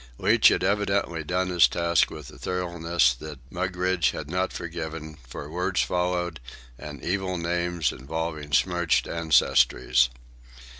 Leach had evidently done his task with a thoroughness that Mugridge had not forgiven, for words followed and evil names involving smirched ancestries.